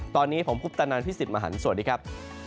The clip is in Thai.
ตอนนี้ผมคุณประตานานพิษศิษฐ์มหันต์สวัสดีครับ